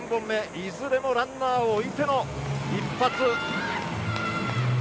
いずれもランナーを置いての一発。